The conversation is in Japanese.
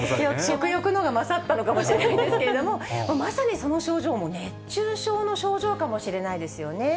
食欲のほうが勝ったのかもしれないですけど、まさにその症状も熱中症の症状かもしれないですよね。